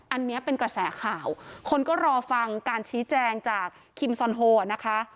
อันนี้เป็นกระแสข่าวคนก็รอฟังการชี้แจงจากคิมซอนโฮนะคะ